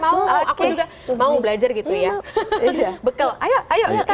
aku juga mau belajar gitu ya bekel ayo ayo